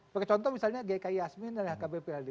pakai contoh misalnya gki yasmin dan hkbpld